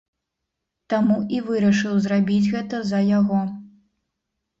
Таму і вырашыў зрабіць гэта за яго.